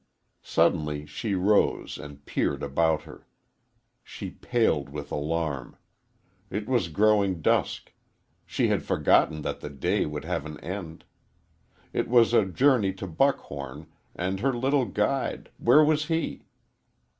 Suddenly she rose and peered about her. She paled with alarm. It was growing dusk; she had forgotten that the day would have an end. It was a journey to Buckhom, and her little guide where was he?